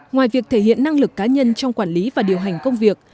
ngoài việc thể hiện năng lực cá nhân trong quản lý và điều hành công việc